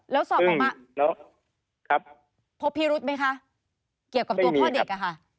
แล้วสอบบอกว่าพบพิรุธไหมคะเกี่ยวกับตัวพ่อเด็ก